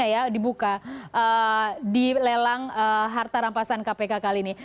ini juga sudah dibuka di lelang harta rampasan kpk kali ini